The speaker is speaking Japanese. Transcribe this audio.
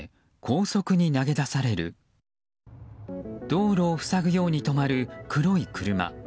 道路を塞ぐように止まる黒い車。